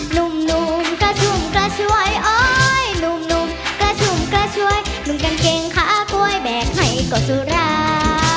หนุ่มกระชุ่มกระชวยโอ๊ยหนุ่มกระชุ่มกระชวยหนุ่มกางเกงขาก๊วยแบกให้ก็สุรา